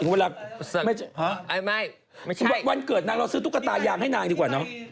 เวลาวันเกิดนางเราซื้อตุ๊กตายางให้นางดีกว่าเนอะ